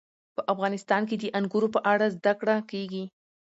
په افغانستان کې د انګورو په اړه زده کړه کېږي.